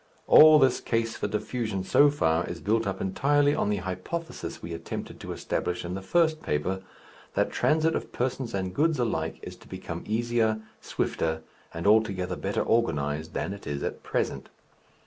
All this case for diffusion so far is built up entirely on the hypothesis we attempted to establish in the first paper, that transit of persons and goods alike is to become easier, swifter, and altogether better organized than it is at present.